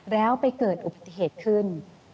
แล้วไปเกิดอุบัติเหตุขึ้น